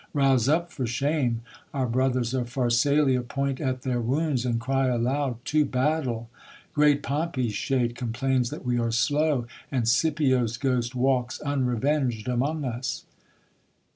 Rouse up, for shame ! our brothers of Pharsaiia Point at their wounds, and cry aloud, to battle ! Great Pompey's shade complains that we are slow, And Scipio's ghost walk's unrevengM among us.